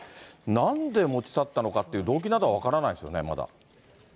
なんで持ち去ったのかって、動機などは分からないですよね、まだ。